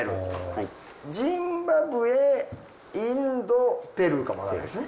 ジンバブエインドペルーかも分からないですね。